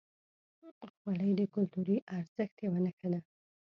خولۍ د کلتوري ارزښت یوه نښه ده.